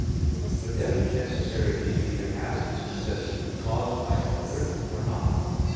But every necessary thing either has its necessity caused by another, or not.